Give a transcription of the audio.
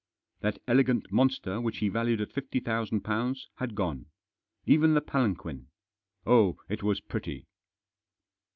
That elegant monster which he valued at £50,000 had gone. Even the palanquin. Oh, It was pretty